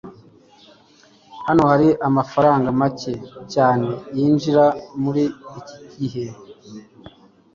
Hano hari amafaranga make cyane yinjira muri iki gihe.